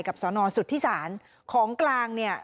สอนอสุทธิศาลของกลางเนี่ย